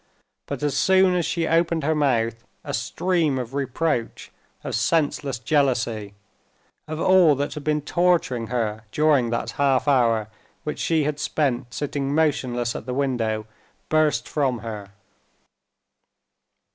But as soon as she opened her mouth, a stream of reproach, of senseless jealousy, of all that had been torturing her during that half hour which she had spent sitting motionless at the window, burst from her.